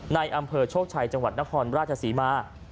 อำเภอโชคชัยจังหวัดนครราชศรีมา